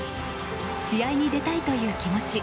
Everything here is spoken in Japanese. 試合に出たいという気持ち